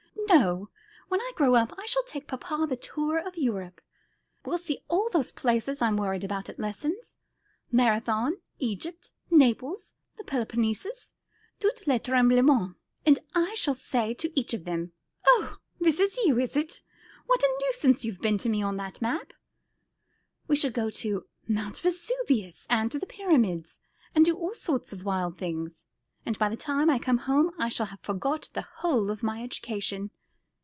"No, when I grow up I shall take papa the tour of Europe. We'll see all those places I'm worried about at lessons Marathon, Egypt, Naples, the Peloponnesus, tout le tremblement and I shall say to each of them, 'Oh, this is you, is it? What a nuisance you've been to me on the map.' We shall go up Mount Vesuvius, and the Pyramids, and do all sorts of wild things; and by the time I come home I shall have forgotten the whole of my education."